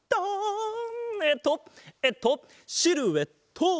えっとえっとシルエット！